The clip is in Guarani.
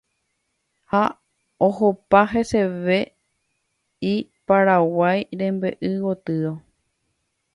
ha ohopa heseve y Paraguái rembe'y gotyo.